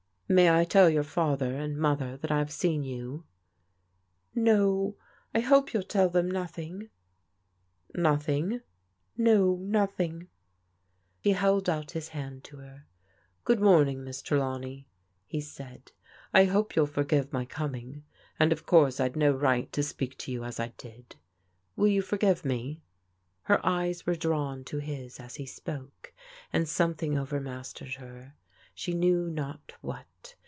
" May I tell your father and mother that I have seen you?" " No, I hope you'll tell them nothing " "Nothing?" " No. nothing." He held out his hand to her. " Good moming, Miss Trelawney," he said. " I hope you'll forgive my coming. And, of course, I'd no right to speak to you as I did Will you forgave me?" Her eyes were drawn to his as he spoke, and some thing overmastered her, she knew not what.